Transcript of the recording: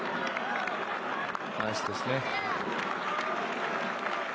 ナイスですね。